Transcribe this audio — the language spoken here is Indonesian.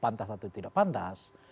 pantas atau tidak pantas